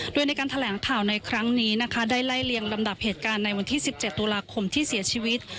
โดยในการแถลงข่าวในครั้งนี้นะคะได้ไล่เลียงลำดับเหตุการณ์ในวันที่๑๗ตุลาคมที่เสียชีวิต